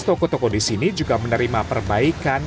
toko toko di sini juga menerima perbaikan